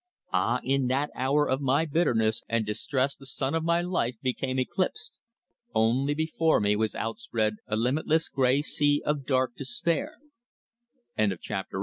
Ah! in that hour of my bitterness and distress the sun of my life became eclipsed. Only before me was outspread a limitless grey sea of dark despair. CHAPTER IX.